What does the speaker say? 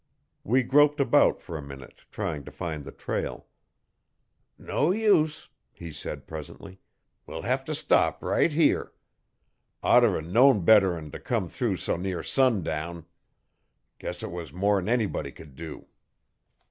We groped about for a minute, trying to find the trail. 'No use,' he said presently, 'we'll hev t' stop right here. Oughter known berter 'n t' come through s' near sundown. Guess it was more 'n anybody could do.'